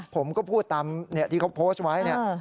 ผมก็พูดตามที่เขาโพสต์ไว้เนี่ย